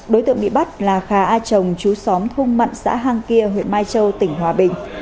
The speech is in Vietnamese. đối tượng bị bắt là khà a trồng chú xóm thung mận xã hàng kia huyện mai châu tỉnh hòa bình